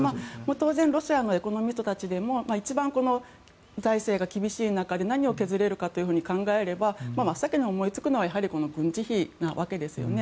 当然、ロシアのエコノミストたちでも一番、財政が厳しい中で何を削れるかと考えれば真っ先に思いつくのはこの軍事費なわけですね。